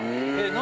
何？